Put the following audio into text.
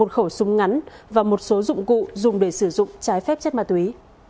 một khẩu súng ngắn và một số dụng cụ dùng để sử dụng trái phép chất ma túy